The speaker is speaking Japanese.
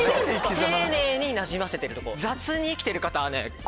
⁉丁寧になじませてるところ。